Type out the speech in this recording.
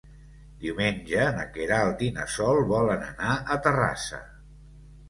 Diumenge na Queralt i na Sol volen anar a Terrassa.